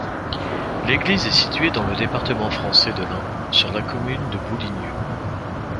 L'église est située dans le département français de l'Ain, sur la commune de Bouligneux.